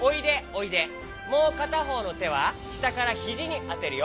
もうかたほうのてはしたからひじにあてるよ。